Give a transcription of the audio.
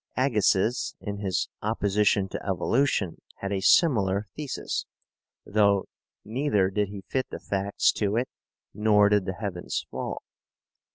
Agassiz, in his opposition to evolution, had a similar thesis, though neither did he fit the facts to it nor did the heavens fall.